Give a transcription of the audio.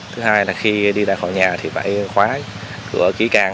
thứ hai là khi đi ra khỏi nhà thì phải khóa cửa kỹ càng